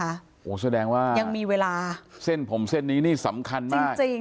โหแสดงว่ายังมีเวลาจริงแสดงว่าเส้นผมเส้นนี้นี่สำคัญมาก